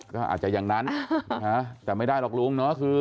ก็อาจจะอย่างนั้นแต่ไม่ได้หรอกลุง